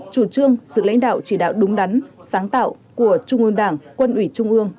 chủ trương sự lãnh đạo chỉ đạo đúng đắn sáng tạo của trung ương đảng quân ủy trung ương